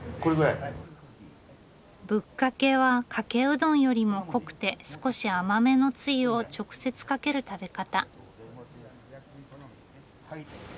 ぶっかけはかけうどんよりも濃くて少し甘めのつゆを直接かける食べ方。